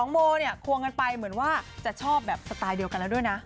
โมเนี่ยควงกันไปเหมือนว่าจะชอบแบบสไตล์เดียวกันแล้วด้วยนะ